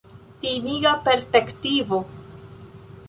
Timiga perspektivo!